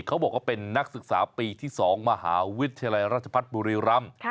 เขาบอกว่าเป็นนักศึกษาปีที่๒มหาวิทยาลัยราชพัฒน์บุรีรำ